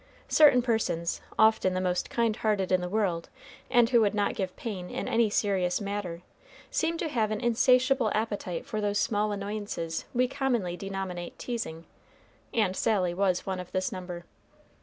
Certain persons, often the most kind hearted in the world, and who would not give pain in any serious matter, seem to have an insatiable appetite for those small annoyances we commonly denominate teasing, and Sally was one of this number.